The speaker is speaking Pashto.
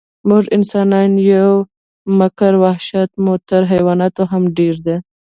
موږ انسانان یو، مګر وحشت مو تر حیواناتو هم ډېر ده.